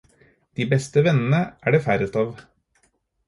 Dei beste vennane er det færrast av